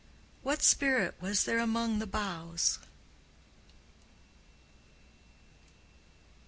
What spirit was there among the boughs?